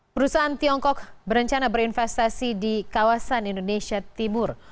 perusahaan tiongkok berencana berinvestasi di kawasan indonesia timur